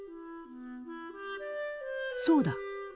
そうだ。